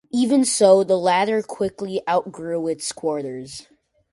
Even so, the latter quickly outgrew its quarters.